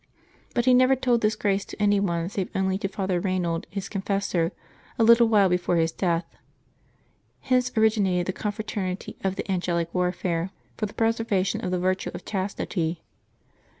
But he never told this grace to any one save only to Father Eaynald, his confessor, a little while before his death. Hence originated the Confraternity of the " An gelic Warfare," for the preservation of the virtue of chas tity.